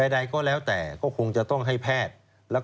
ใดก็แล้วแต่ก็คงจะต้องให้แพทย์